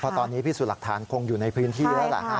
เพราะตอนนี้พิสูจน์หลักฐานคงอยู่ในพื้นที่แล้วล่ะฮะ